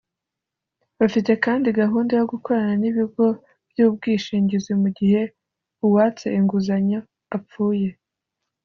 Bafite kandi gahunda yo gukoran n’ibigo by’ubwishingizi mu gihe uwatse inguzanyo apfuye